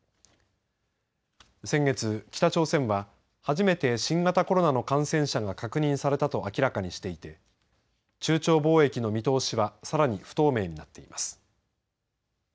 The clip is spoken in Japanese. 先月、北朝鮮は初めて新型コロナの感染者が確認されたと明らかにしていて中朝貿易の見通しはさらに不透明になっています。